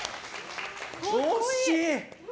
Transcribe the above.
惜しい。